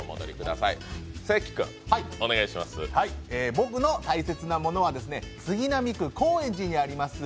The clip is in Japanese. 僕の大切なものは杉並区高円寺にあります